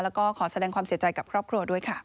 แล้วก็ขอแสดงความเสียใจกับครอบครัวด้วยค่ะ